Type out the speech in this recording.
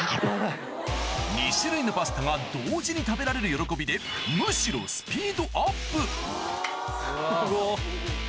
２種類のパスタが同時に食べられる喜びでむしろ・すごっ・